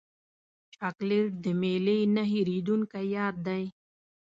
چاکلېټ د میلې نه هېرېدونکی یاد دی.